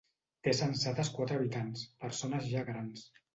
Té censades quatre habitants, persones ja grans.